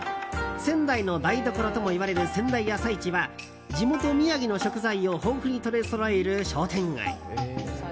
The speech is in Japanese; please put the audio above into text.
仙台の台所ともいわれる仙台朝市は地元・宮城の食材を豊富に取りそろえる商店街。